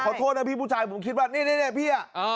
โทษนะพี่ผู้ชายผมคิดว่านี่พี่